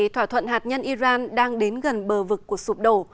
thỏa thuận hạt nhân iran đang đến gần bờ vực của sụp đổ